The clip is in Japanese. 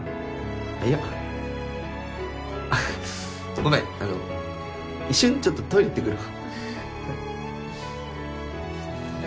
ごめんあの一瞬ちょっとトイレ行ってくるわ。